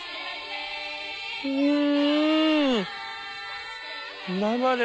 うん！